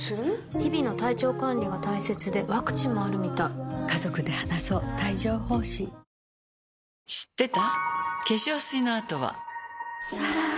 日々の体調管理が大切でワクチンもあるみたい無事到着しました！